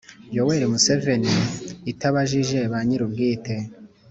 yoweri museveni itabajije ba nyirubwite,